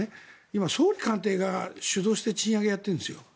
今、総理官邸が主導して賃上げをやっているんですよ。